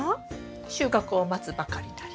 収穫を待つばかりなり。